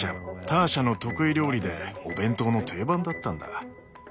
ターシャの得意料理でお弁当の定番だったんだ。